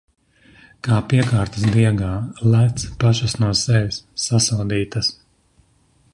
Kā piekārtas diegā... Lec pašas no sevis! Sasodītas!